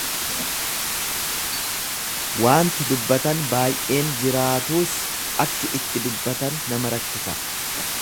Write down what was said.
Waanti dubbatan baayyeen jiraatuus akki itti dubbatan nama rakkisa.